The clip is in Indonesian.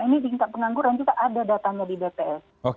ini tingkat pengangguran juga ada datanya di bps